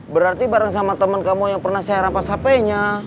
berarti bareng sama temen kamu yang pernah saya rampas hp nya